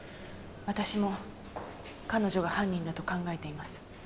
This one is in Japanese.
私も彼女が犯人だと考えています。